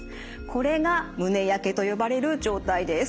これが胸やけと呼ばれる状態です。